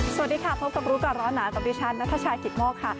สวัสดีค่ะพบกับรู้ก่อนร้อนหนาวกับดิฉันนัทชายกิตโมกค่ะ